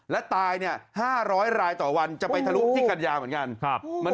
และตาย๕๐๐รายต่อวันจะไปทะลุที่กันยาเหมือนกัน